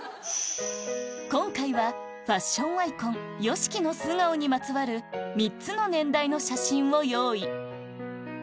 今回はファッションアイコンＹＯＳＨＩＫＩの素顔にまつわる３つの年代の写真を用意